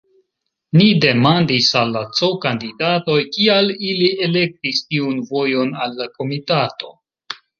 Ni demandis al la C-kandidatoj, kial ili elektis tiun vojon al la komitato.